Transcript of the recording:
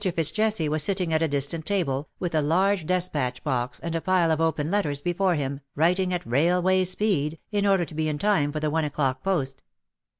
Fitz Jesse was sitting at a distant table, with a large despatch box and a pile of open letters before him, writing at railway speed, in order to be in time for the one o^clock post.